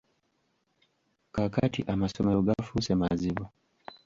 Kaakati amasomero gafuuse mazibu.